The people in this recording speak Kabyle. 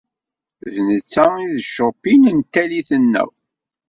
D netta ay d Chopin n tallit-nneɣ.